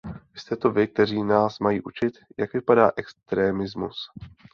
Jste to vy, kteří nás mají učit, jak vypadá extremismus?